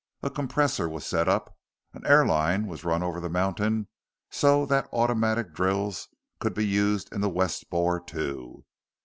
A compressor was set up. An air line was run over the mountain so that automatic drills could be used in the west bore, too.